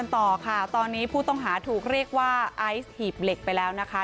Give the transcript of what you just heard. ต่อค่ะตอนนี้ผู้ต้องหาถูกเรียกว่าไอซ์หีบเหล็กไปแล้วนะคะ